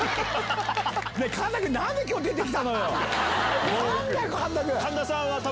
神田くん何で今日出てきたのよ？